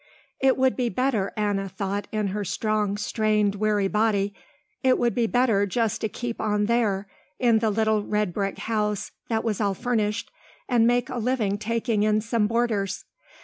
It would be better Anna thought in her strong strained weary body, it would be better just to keep on there in the little red brick house that was all furnished, and make a living taking in some boarders.